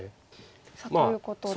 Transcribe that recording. さあということで。